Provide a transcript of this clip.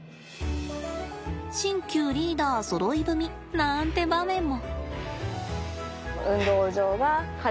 新旧リーダーそろい踏みなんて場面も。